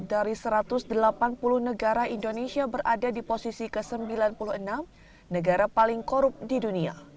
dari satu ratus delapan puluh negara indonesia berada di posisi ke sembilan puluh enam negara paling korup di dunia